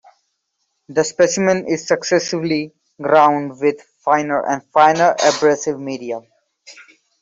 The specimen is successively ground with finer and finer abrasive media.